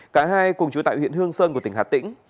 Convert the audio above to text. cả hai cùng chú tại huyện hương sơn của tỉnh hà tĩnh